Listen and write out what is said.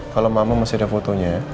kalo mama masih ada fotonya